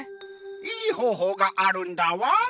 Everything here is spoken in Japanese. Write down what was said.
いいほうほうがあるんだワン！